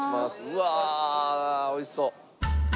うわおいしそう！